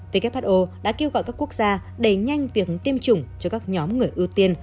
who đã kêu gọi các quốc gia đẩy nhanh việc tiêm chủng cho các nhóm người ưu tiên